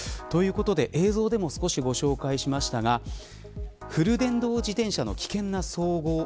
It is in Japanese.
映像でも少しご紹介しましたがフル電動自転車の危険な走行。